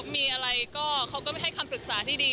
มีอะไรก็เขาก็ไม่ให้คำปรึกษาที่ดี